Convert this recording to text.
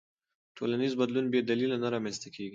ټولنیز بدلون بې دلیله نه رامنځته کېږي.